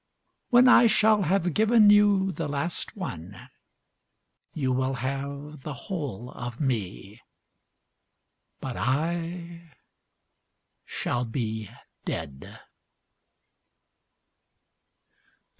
When I shall have given you the last one, You will have the whole of me, But I shall be dead.